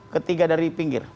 ketiga dari pinggir